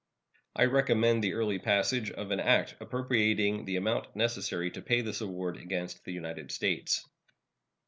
I recommend the early passage of an act appropriating the amount necessary to pay this award against the United States.